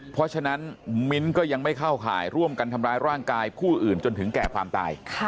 เพราะฉะนั้นมิ้นท์ก็ยังไม่เข้าข่ายร่วมกันทำร้ายร่างกายผู้อื่นจนถึงแก่ความตาย